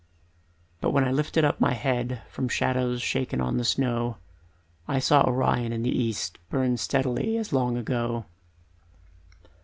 But when I lifted up my head From shadows shaken on the snow, I saw Orion in the east Burn steadily as long ago.